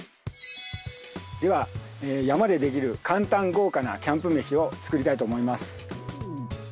では山でできる簡単豪華なキャンプ飯を作りたいと思います。